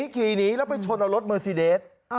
ขี่หนีแล้วไปชนเอารถเมอร์ซีเดส